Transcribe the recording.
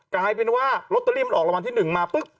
กลายเป็นว่าลอตเตอรี่มันออกรางวัลที่๑มาปุ๊บ